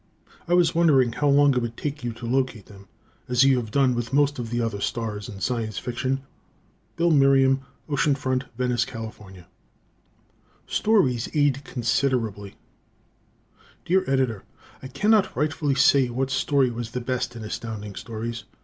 I was wondering how long it would take you to locate them, as you have done with most of the other stars in Science Fiction. Bill Merriam, Ocean Front, Venice, Cal. "Stories Aid Considerably" Dear Editor: I cannot rightfully say what story was the best in Astounding Stories.